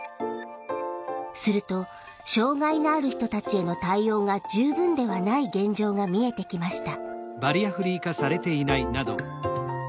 すると障害のある人たちへの対応が十分ではない現状が見えてきました。